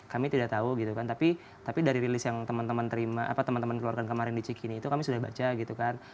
kami tidak tahu gitu kan tapi dari rilis yang teman teman keluarkan kemarin di cikini itu kami sudah baca gitu kan